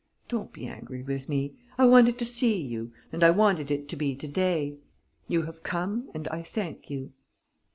Don't be angry with me. I wanted to see you and I wanted it to be today. You have come and I thank you."